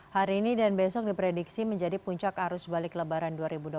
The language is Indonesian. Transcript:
hari ini dan besok diprediksi menjadi puncak arus balik lebaran dua ribu dua puluh